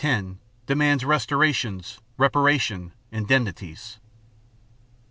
10) demands "restorations, reparation, indemnities."